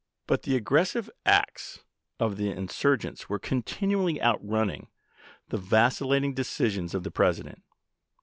But the aggressive acts of the insurgents were continually outrunning the vacillating decisions of the President.